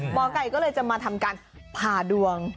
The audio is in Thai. หมอไก่ก็เลยจะมาทำการผ่าดวง